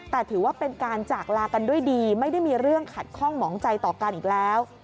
แต่ถือว่าเป็นการจากลากันด้วยดีไม่ได้มีเรื่องขัดข้องหมองใจต่อกันอีกแล้ว